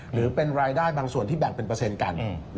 หรือเป็นรายได้บางส่วนที่แบ่งเป็นเปอร์เซ็นต์กัน